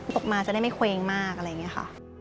ตกมาจะได้ไม่เคว้งมากอะไรอย่างนี้ค่ะ